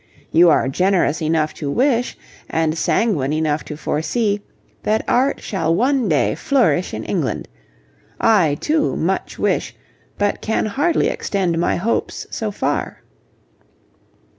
You are generous enough to wish, and sanguine enough to foresee, that art shall one day flourish in England. I, too, much wish, but can hardly extend my hopes so far.